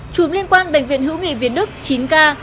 chùm liên quan bệnh viện hữu nghị việt đức chín k